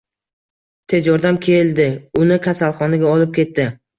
Tez yordam keldi uni kasalxonaga olib ketdi.